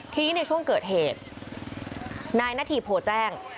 ทีนี้ในช่วงเกิดเหตุนายนาธีโพแจ้ง